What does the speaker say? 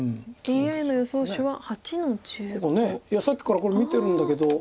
さっきからこれ見てるんだけど。